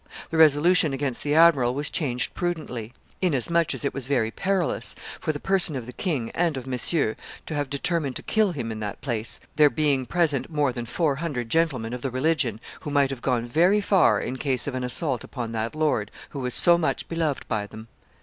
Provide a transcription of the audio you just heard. The resolution against the admiral was changed prudently; inasmuch as it was very perilous, for the person of the king and of Messieurs, to have determined to kill him in that place, there being present more than four hundred gentlemen of the religion, who might have gone very far in case of an assault upon that lord, who was so much beloved by them."